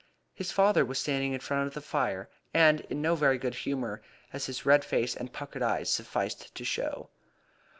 His father was standing in front of the fire, and in no very good humour, as his red face and puckered eyes sufficed to show.